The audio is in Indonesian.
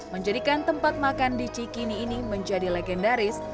menjadikan tempat makan di cikini ini menjadi legendaris